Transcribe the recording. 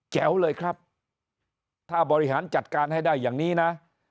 แจ๋วเลยครับถ้าบริหารจัดการให้ได้อย่างนี้นะ